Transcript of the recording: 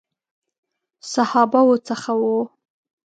صحابه وو څخه وو.